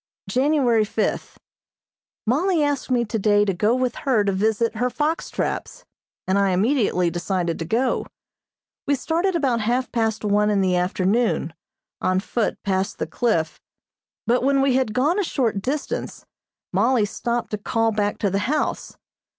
January fifth: Mollie asked me today to go with her to visit her fox traps, and I immediately decided to go. We started about half past one in the afternoon, on foot past the cliff, but when we had gone a short distance Mollie stopped to call back to the house.